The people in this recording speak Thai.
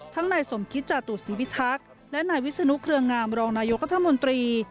นายสมคิตจาตุศีพิทักษ์และนายวิศนุเครืองามรองนายกรัฐมนตรี